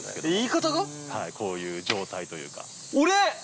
こういう状態というか。